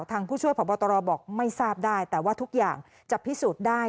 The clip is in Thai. ผู้ช่วยพบตรบอกไม่ทราบได้แต่ว่าทุกอย่างจะพิสูจน์ได้